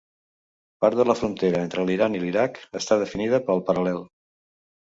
Part de la frontera entre l'Iran i l'Iraq està definida pel paral·lel.